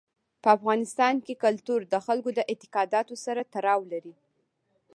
په افغانستان کې کلتور د خلکو د اعتقاداتو سره تړاو لري.